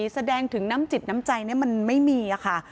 แสดงถึงน้ำจิตน้ำใจมันไม่มีค่ะ